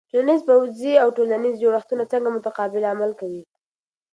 د ټولنې پوځی او ټولنیزې جوړښتونه څنګه متقابل عمل کوي؟